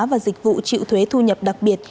và dịch vụ chịu thuế thu nhập đặc biệt